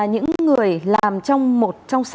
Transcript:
những người làm trong một trong